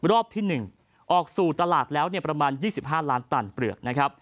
รอบที่๑ออกสู่ตลาดแล้วประมาณ๒๕ล้านตันเปลือกนะครับ